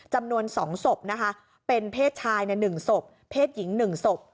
จำนวน๒ศพนะคะเป็นเพศชาย๑ศพเพศหญิง๑ศพ